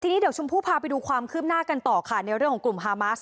ทีนี้เดี๋ยวชมพู่พาไปดูความคืบหน้ากันต่อค่ะในเรื่องของกลุ่มฮามาส